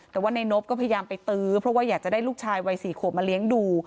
แต่ว่าในนบก็พยายามไปตื้อเพราะว่าอยากจะได้ลูกชายวัย๔ขวบมาเลี้ยงดู